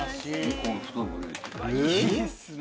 いいっすね。